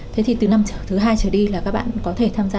thế thì từ năm thứ hai trở đi là các bạn có thể tham gia